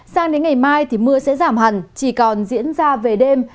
sang đến ngày mai thì mưa sẽ giảm hẳn chỉ còn diễn ra về đêm